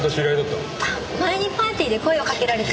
前にパーティーで声をかけられて。